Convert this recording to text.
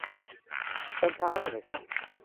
เติมชาให้ได้ไหมคะ